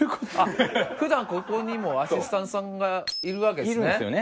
普段ここにもアシスタントさんがいるわけですね。